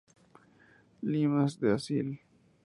Le Mas-d'Azil